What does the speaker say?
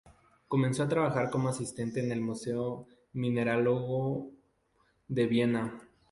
Comenzó a trabajar como asistente en el museo mineralógico de Viena.